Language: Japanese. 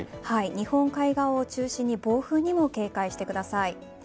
日本海側を中心に暴風にも警戒してください。